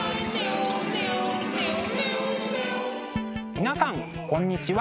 皆さんこんにちは。